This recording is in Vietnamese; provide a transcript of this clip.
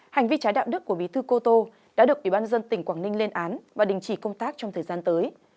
hành vi trái đạo đức của bí thư cô tô đã được ủy ban dân tỉnh quảng ninh lên án và đình chỉ công tác trong thời gian tới